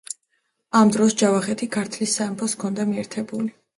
ამ დროს ჯავახეთი ქართლის სამეფოს ჰქონდა მიერთებული.